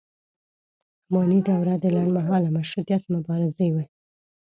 اماني دوره د لنډ مهاله مشروطیت مبارزې وه.